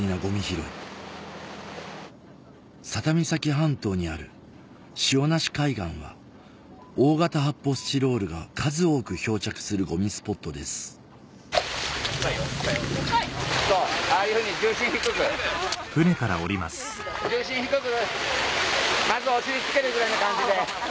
半島にある塩成海岸は大型発泡スチロールが数多く漂着するゴミスポットです重心低く。